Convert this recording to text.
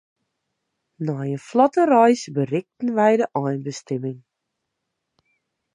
Nei in flotte reis berikten wy de einbestimming.